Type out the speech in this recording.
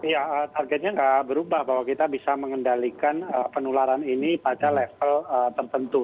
ya targetnya nggak berubah bahwa kita bisa mengendalikan penularan ini pada level tertentu